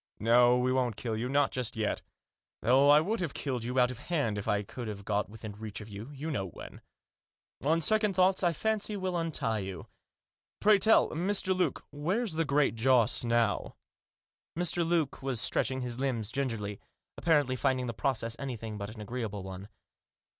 " No : we won't kill you, not just yet ; though I would have killed you out of hand, if I could have got within reach of you — you know when. On second Digitized by THE GOD OUT OF THE MACHINE. 229 thoughts I fancy we'll untie you. Pray tell us, Mr. Luke, where's the Great Joss now ?" Mr. Luke was stretching his limbs, gingerly, appa rently finding the process anything but an agreeable one.